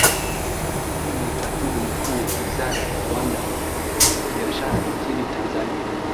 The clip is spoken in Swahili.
huyo ni katibu mkuu wizara viwanda na biashara nchini tanzania